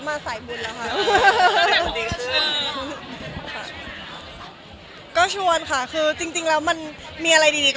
ไม่ได้เป็นแค่เพียงทำโยนอยู่อย่างนี้